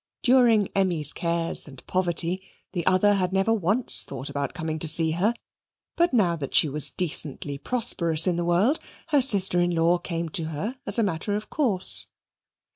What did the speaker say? During Emmy's cares and poverty the other had never once thought about coming to see her, but now that she was decently prosperous in the world, her sister in law came to her as a matter of course.